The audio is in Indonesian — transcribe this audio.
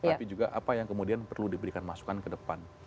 tapi juga apa yang kemudian perlu diberikan masukan ke depan